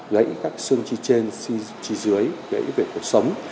gãy các xương chi trên chi dưới gãy về cuộc sống